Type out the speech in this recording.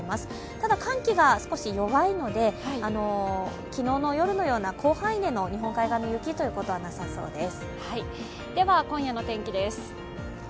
ただ、寒気が少し弱いので、昨日の夜のような広範囲の日本海側の雪はなさそうです。